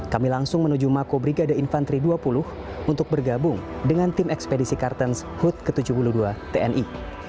kami langsung menuju mako brigade infanteri dua puluh untuk bergabung dengan tim ekspedisi kartens hut ke tujuh puluh dua tni